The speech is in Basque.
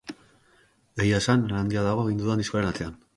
Egia esan, lan handia dago egin dudan diskoaren atzean.